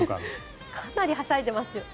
かなりはしゃいでいますよ。